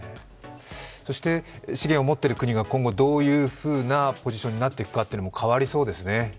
そして資源を持ってる国が今後どういうふうなポジションになっていくのかも変わりそうですね。